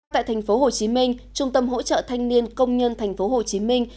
tại thành phố hồ chí minh trung tâm hỗ trợ thanh niên công nhân thành phố hồ chí minh